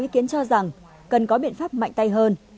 ý kiến cho rằng cần có biện pháp mạnh tay hơn